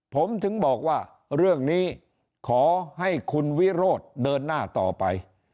ผมถึงบอกว่าเรื่องนี้ขอให้คุณวิโรธเดินหน้าต่อไป